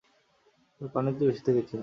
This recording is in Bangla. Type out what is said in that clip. তবে পানিতেই বেশি থেকেছিলাম।